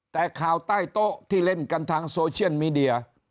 แต่ข่าวใต้โต๊ะที่เล่นกันทางโซเชียลมีเดีย